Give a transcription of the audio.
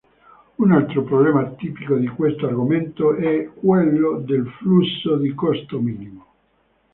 Un altro problema tipico di questo argomento è quello del flusso di costo minimo.